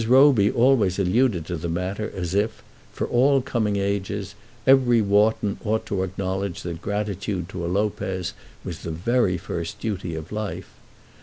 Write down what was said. Roby always alluded to the matter as if, for all coming ages, every Wharton ought to acknowledge that gratitude to a Lopez was the very first duty of life.